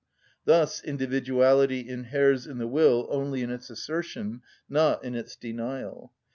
Thus individuality inheres in the will only in its assertion, not in its denial.